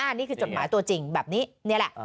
อันนี้คือจดหมายตัวจริงแบบนี้นี่แหละ